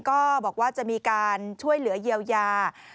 ก็บอกว่าจะมีการช่วยเหลือเยียวยา